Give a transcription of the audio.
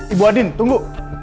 ibu andin tunggu